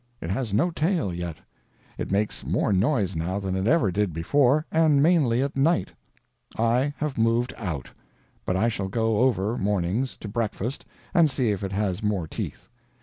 It has no tail yet. It makes more noise now than it ever did before and mainly at night. I have moved out. But I shall go over, mornings, to breakfast, and see if it has more teeth.